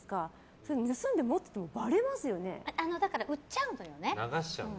それを盗んで持っててもだから売っちゃうんだよね。